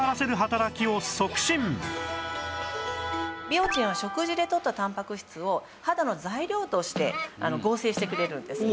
ビオチンは食事でとったたんぱく質を肌の材料として合成してくれるんです。